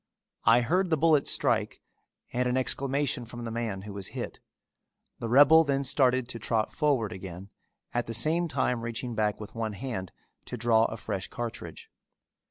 I heard the bullet strike and an exclamation from the man who was hit. The rebel then started to trot forward again, at the same time reaching back with one hand to draw a fresh cartridge.